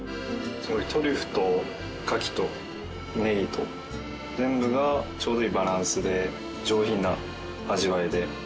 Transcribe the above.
トリュフとカキとネギと全部がちょうどいいバランスで上品な味わいで。